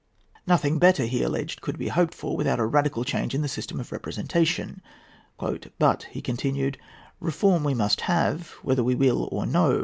Nothing better, he alleged, could be hoped for, without a radical change in the system of representation. "But," he continued, "reform we must have, whether we will or no.